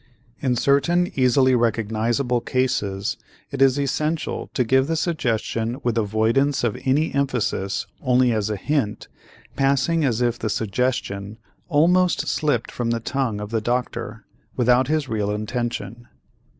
In certain easily recognizable cases, it is essential to give the suggestion with avoidance of any emphasis, only as a hint, passing as if the suggestion almost slipped from the tongue of the doctor without his real intention.